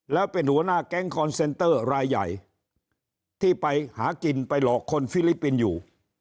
แล้วเป็นหัวหน้าแก๊งคอนเซนเตอร์รายใหญ่ที่ไปหากินไปหลอกคนฟิลิปปินส์อยู่